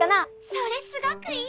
それすごくいい。